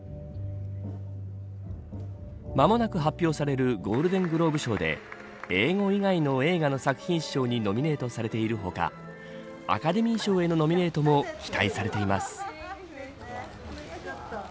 間もなく発表されるゴールデングローブ賞で英語以外の映画の作品賞にノミネートされている他アカデミー賞へのノミネートも期待されています。